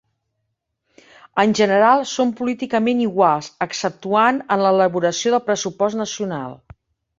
En general són políticament iguals, exceptuant en l'elaboració del pressupost nacional.